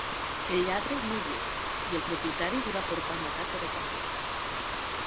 El lladre no hi era i el propietari li va portar una tassa de cafè.